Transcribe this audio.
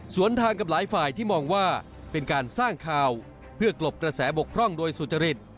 ส่วนทางกับหลายฝ่ายที่มองว่าเป็นการสร้างข่าวเพื่อกลบกระแสบกพร่องโดยสุจริต